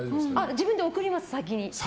自分で送ります、先に。